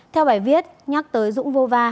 theo bài viết nhắc tới dũng vô va